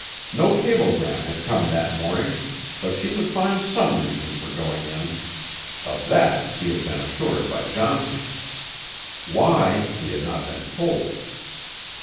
No cablegram had come that morning, but she would find some reason for going in. Of that he had been assured by Johnson. Why, he had not been told.